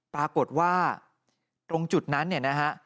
ปรากฏว่าตรงจุดนั้นเนี่ยนะฮะ